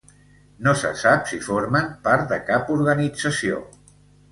No se sap si formen part de cap organització.